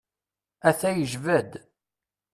A-t-a yejba-d.